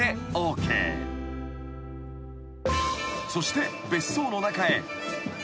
［そして別荘の中へ］